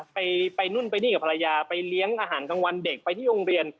ไปนู่นไปนี่กับภรรยาไปเลี้ยงอาหารกลางวันเด็กไปที่โรงเรียน